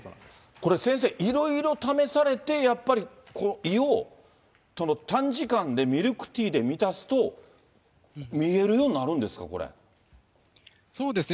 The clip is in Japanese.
これ、先生、いろいろ試されて、やっぱり、胃を短時間でミルクティーで満たすと見えるようになるんですか、そうですね。